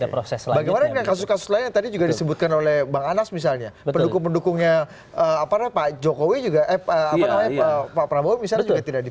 seperti sepertinya aku tidak memikirkan masyarakat